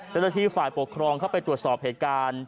เจ้าหน้าที่ฝ่ายปกครองเข้าไปตรวจสอบเหตุการณ์